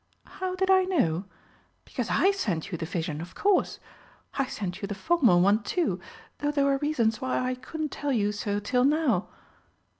"How did I know? Because I sent you the vision, of course. I sent you the former one, too, though there were reasons why I couldn't tell you so till now."